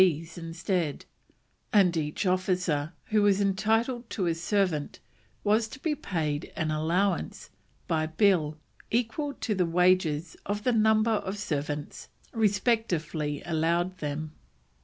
B.s instead, and each officer who was entitled to a servant was "to be paid an allowance by Bill equal to the wages of the number of servants respectively allowed them."